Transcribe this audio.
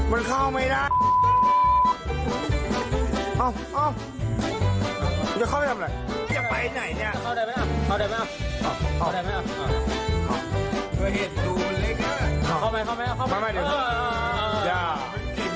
เอาที่ไหนเอามันเข้าไม่ได้